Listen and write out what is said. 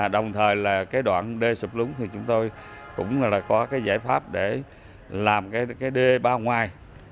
đồng thời đoạn đê sụp lúng chúng tôi cũng có giải pháp để làm đê bao ngoài